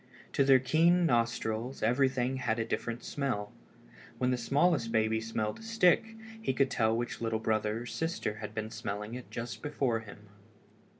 To their keen nostrils everything had a different smell. When the smallest baby smelled a stick he could tell which little brother or sister had been smelling it just before him.